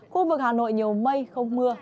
khu vực hà nội nhiều mây không mưa